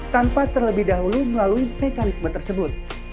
tanpa terlebih dahulu melalui mekanisme tersebut